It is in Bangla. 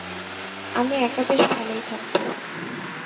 আমি একা বেশ ভালোই থাকবো।